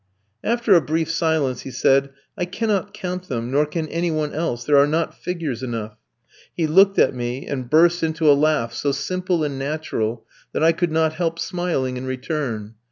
After a brief silence, he said: "I cannot count them, nor can any one else; there are not figures enough." He looked at me, and burst into a laugh, so simple and natural, that I could not help smiling in return.